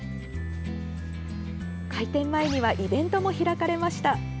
開店前にはイベントも開かれました。